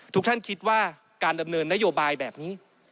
ทุกท่านคิดว่าการดำเนินนโยบายแบบนี้